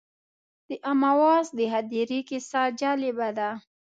د امواس د هدیرې کیسه جالبه ده.